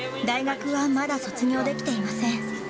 大学はまだ卒業できていません。